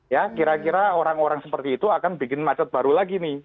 ya kira kira orang orang seperti itu akan bikin macet baru lagi nih